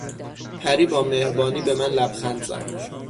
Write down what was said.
پری با مهربانی به من لبخند زد.